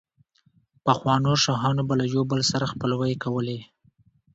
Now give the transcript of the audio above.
پخوانو شاهانو به له يو بل سره خپلوۍ کولې،